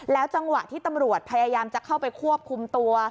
จังหวะที่ตำรวจพยายามจะเข้าไปควบคุมตัว